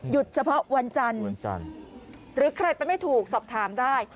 หยุดเฉพาะวันจันทร์หรือใครเป็นไม่ถูกสอบถามได้